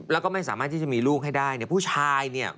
แล้วก็ไม่สามารถที่จะมีลูกให้ได้เนี่ยผู้ชายเนี่ย